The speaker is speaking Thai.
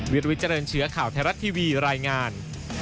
วิทยาลัยเชื้อข่าวไทยรัฐทีวีรายงาน